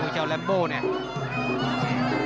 เจ้าแรมโบเนี่ย